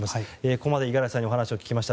ここまで五十嵐さんにお話を聞きました。